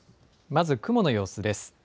まず雲の様子です。